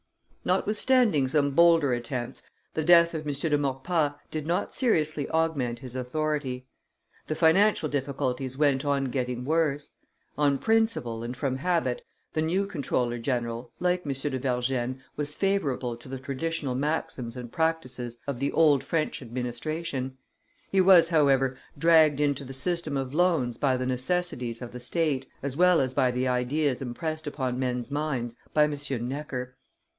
Notwithstanding some bolder attempts, the death of M. de Maurepas did not seriously augment his authority. The financial difficulties went on getting worse; on principle and from habit, the new comptroller general, like M. de Vergennes, was favorable to the traditional maxims and practices of the old French administration; he was, however, dragged into the system of loans by the necessities of the state, as well as by the ideas impressed upon men's minds by M. Necker.